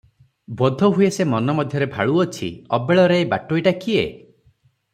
ବୋଧହୁଏ ସେ ମନ ମଧ୍ୟରେ ଭାଳୁଅଛି, ଅବେଳରେ ଏ ବାଟୋଇଟା କିଏ?